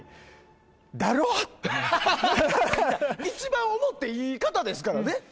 一番思っていい方ですからね。